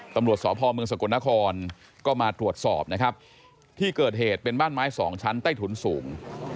ตำรวจสพเมืองสกลนครก็มาตรวจสอบนะครับที่เกิดเหตุเป็นบ้านไม้สองชั้นใต้ถุนสูง